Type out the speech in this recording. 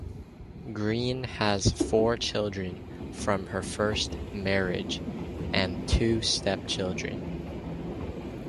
Green has four children from her first marriage, and two stepchildren.